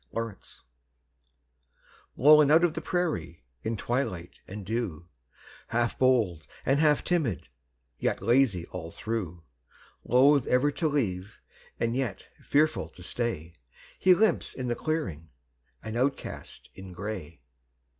COYOTE Blown out of the prairie in twilight and dew, Half bold and half timid, yet lazy all through; Loath ever to leave, and yet fearful to stay, He limps in the clearing, an outcast in gray.